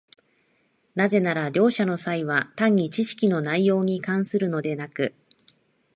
なぜなら両者の差異は単に知識の内容に関するのでなく、